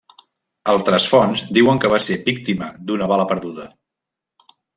Altres fonts diuen que va ser víctima d'una bala perduda.